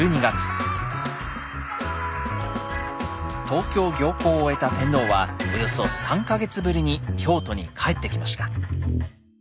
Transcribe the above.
東京行幸を終えた天皇はおよそ３か月ぶりに京都に帰ってきました。